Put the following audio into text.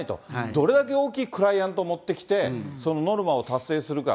どれだけ大きいクライアントを持ってきて、ノルマを達成するか。